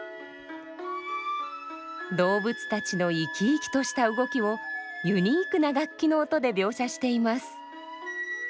動物たちの生き生きとした動きをユニークな楽器の音で描写しています。